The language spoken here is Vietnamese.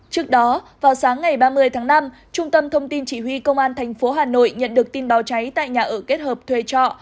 trước đó vào sáng ngày ba mươi tháng năm trung tâm thông tin chỉ huy công an tp hà nội nhận được tin báo cháy tại nhà ở kết hợp thuê trọ